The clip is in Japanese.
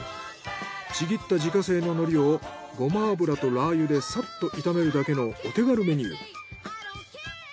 ちぎった自家製の海苔をごま油とラー油でさっと炒めるだけのお手軽メニュー。